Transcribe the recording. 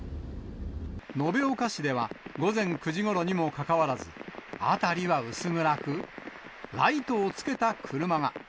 延岡市では、午前９時ごろにもかかわらず、辺りは薄暗く、ライトをつけた車が。